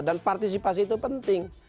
dan partisipasi itu penting